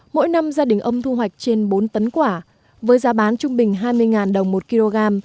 mỗi năm gia đình ông thu hoạch trên bốn tấn quả với giá bán trung bình hai mươi đồng một kg